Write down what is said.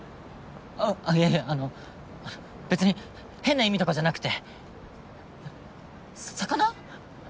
あぁいやあの別に変な意味とかじゃなくて魚？